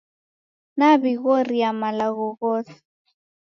Naw'ighoria malagho ghose